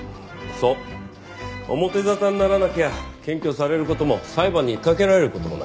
そう表沙汰にならなきゃ検挙される事も裁判にかけられる事もない。